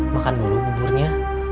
makan dulu buburnya